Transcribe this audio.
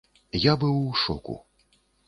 Я быў у шоку.